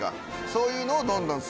そういうのを。